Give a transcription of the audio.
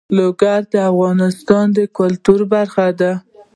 لوگر د افغانانو د ګټورتیا برخه ده.